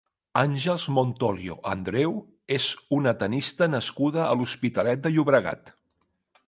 Àngels Montolio Andreu és una tennista nascuda a l'Hospitalet de Llobregat.